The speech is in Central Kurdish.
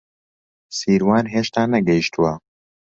سیروان هێشتا نەگەیشتووە.